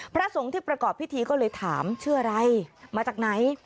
พระสงฆ์ที่ประกอบพิธีก็เลยถามชื่ออะไรมาจากไหน